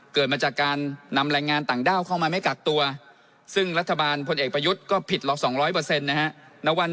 เกิดมาจากการนำแรงงานต่างด้าวเข้ามาไม่กักตัวซึ่งรัฐบาลพลเอกประยุทธ์ก็ผิดหรอก๒๐๐นะฮะ